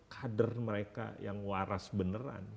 kader mereka yang waras beneran